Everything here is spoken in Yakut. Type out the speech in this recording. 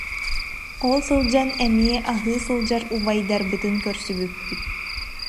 Ол сылдьан эмиэ аһыы сылдьар убайдарбытын көрсүбүппүт